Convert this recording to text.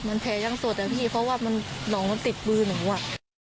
ใช่มันแผลยังสดแต่พี่เพราะว่าน้องมันติดมือหนึ่งหวะ